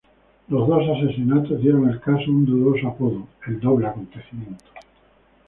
Los dos asesinatos dieron al caso un dudoso apodo: "El doble acontecimiento".